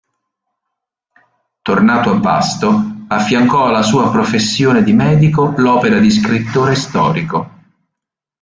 Tornato a Vasto affiancò alla sua professione di medico l'opera di scrittore storico.